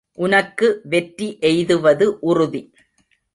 உனக்கு வெற்றி எய்துவது உறுதி!